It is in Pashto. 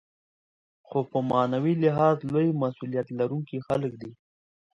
خو په معنوي لحاظ لوی مسوولیت لرونکي خلک دي.